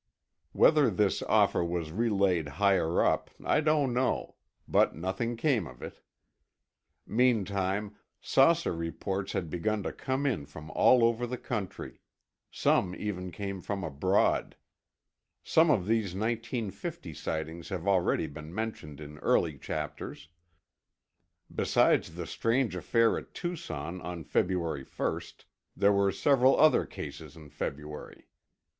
Whether this offer was relayed higher up, I don't know. But nothing came of it. Meantime, saucer reports had begun to come in from all over the country. Some even came from abroad. Some of these 1950 sightings have already been mentioned in early chapters. Besides the strange affair at Tucson on February 1, there were several other cases in February.